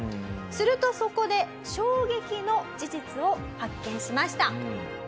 するとそこで衝撃の事実を発見しました。